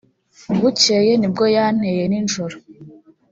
Bukeye nibwo yanteye nijoro